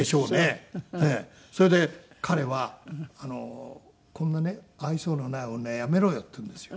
それで彼は「こんなね愛想のない女やめろよ」って言うんですよ。